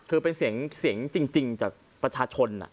คือเป็นเสียงจริงจากประชาชน